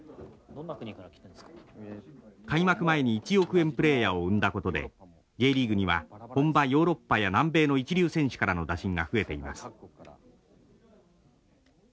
開幕前に１億円プレーヤーを生んだことでＪリーグには本場ヨーロッパや南米の一流選手からの打診が増えています。